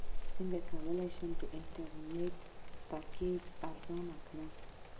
څنګه کولی شم د انټرنیټ پیکج ارزانه کړم